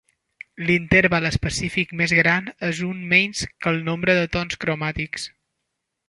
L'interval específic més gran és un menys que el nombre de tons "cromàtics".